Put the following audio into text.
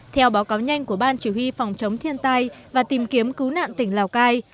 theo báo cáo nhanh của ban chỉ huy phòng chống thiên tai và tìm kiếm cứu nạn tỉnh lào cai